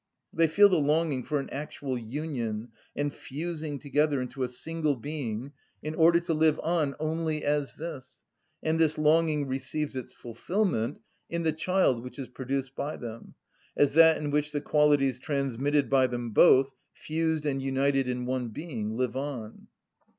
They feel the longing for an actual union and fusing together into a single being, in order to live on only as this; and this longing receives its fulfilment in the child which is produced by them, as that in which the qualities transmitted by them both, fused and united in one being, live on.